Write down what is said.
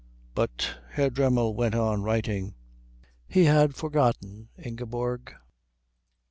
But Herr Dremmel went on writing. He had forgotten Ingeborg.